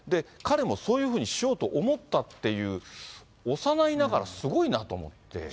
彼もそういうふうにしようと思ったっていう、幼いながらすごいなって思って。